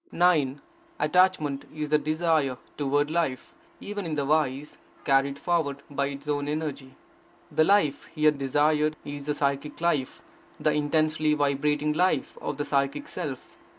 9. Attachment is the desire toward life, even in the wise, carried forward by its own energy. The life here desired is the psychic life, the intensely vibrating life of the psychical self.